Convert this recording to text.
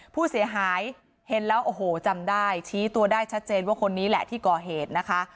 ผู้เสียหายเห็นแล้วโอ้โหจำได้ชี้ตัวได้ชัดเจนว่าคนนี้แหละที่ก่อเหตุนะคะ